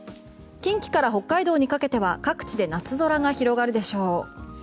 近畿から北海道にかけては各地で夏空が広がるでしょう。